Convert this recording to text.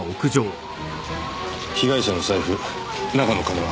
被害者の財布中の金は？